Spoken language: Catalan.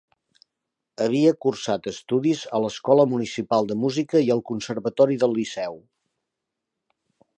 Havia cursat estudis a l'Escola Municipal de Música i al Conservatori del Liceu.